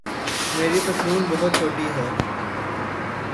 میری پتلون بہت چھوٹی ہے